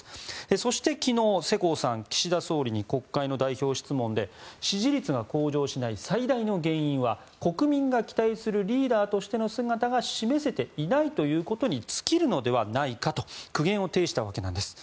そして昨日世耕さん、岸田総理に国会の代表質問で支持率が向上しない最大の原因は国民が期待するリーダーとしての姿が示せていないということに尽きるのではないかと苦言を呈したわけなんです。